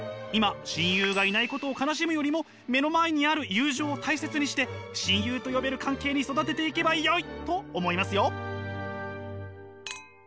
今親友がいないことを悲しむよりも目の前にある友情を大切にして親友と呼べる関係に育てていけばよいと思いますよ。